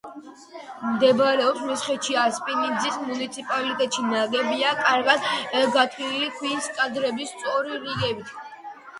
მდებარეობს მესხეთში, ასპინძის მუნიციპალიტეტში, ნაგებია კარგად გათლილი ქვის კვადრების სწორი რიგებით.